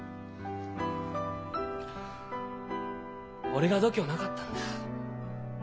俺が度胸なかったんだ。